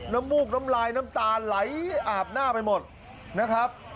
มูกน้ำลายน้ำตาไหลอาบหน้าไปหมดนะครับ